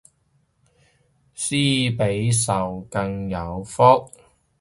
施比受更有福